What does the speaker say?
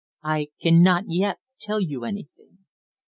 "I cannot yet tell you anything."